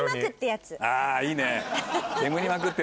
あいいね。